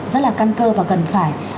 rất là căn cơ và cần phải